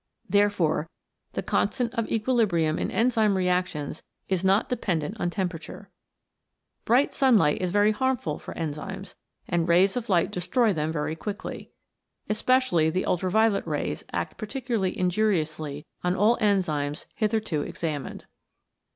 Therefore the constant of equilibrium in enzyme reactions is not dependent on temperature. Bright sunlight is very harmful for enzymes, and rays of light destroy them very quickly. Especially the ultraviolet rays act particularly in juriously on all enzymes hitherto examined.